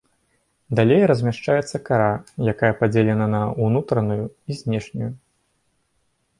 Далей размяшчаецца кара, якая падзелена на ўнутраную і знешнюю.